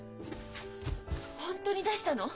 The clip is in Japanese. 本当に出したの？